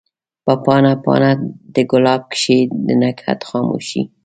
په پاڼه ، پاڼه دګلاب کښي د نګهت خاموشی